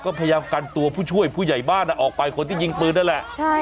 ก็พยายามกันตัวผู้ช่วยผู้ใหญ่บ้านออกไปคนที่ยิงปืนนั่นแหละ